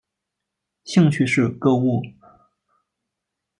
兴趣是购物。